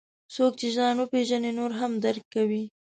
څوک چې ځان وپېژني، نور هم درک کوي.